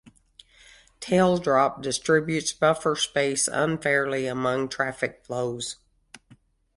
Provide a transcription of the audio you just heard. Tail drop distributes buffer space unfairly among traffic flows.